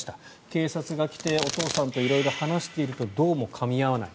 警察が来て、お父さんと色々話をしているとどうもかみ合わない。